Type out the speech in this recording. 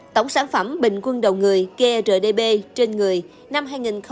tổng sản phẩm bình quân đầu người grdb trên người năm hai nghìn hai mươi ba